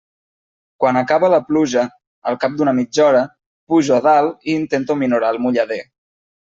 Quan acaba la pluja, al cap d'una mitja hora, pujo a dalt i intento minorar el mullader.